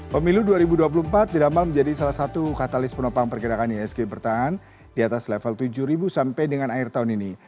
pemilu dua ribu dua puluh empat diramal menjadi salah satu katalis penopang pergerakan isg bertahan di atas level tujuh sampai dengan akhir tahun ini